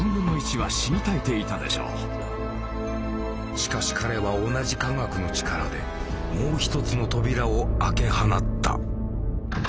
しかし彼は同じ化学の力でもう一つの扉を開け放った。